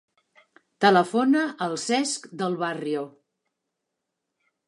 Telefona al Cesc Del Barrio.